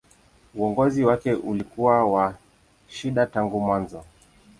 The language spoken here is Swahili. Uongozi wake ulikuwa wa shida tangu mwanzo.